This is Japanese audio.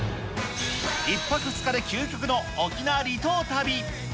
１泊２日で究極の沖縄離島旅。